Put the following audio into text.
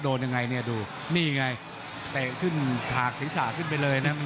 โดนยังไงเนี่ยดูนี่ไงเตะขึ้นถากศีรษะขึ้นไปเลยนะ